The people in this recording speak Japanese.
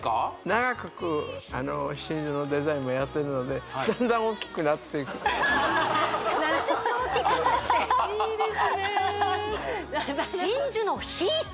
長く真珠のデザインもやってるのでちょっとずつ大きくなっていいですね